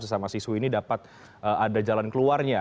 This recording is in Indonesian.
sesama siswi ini dapat ada jalan keluarnya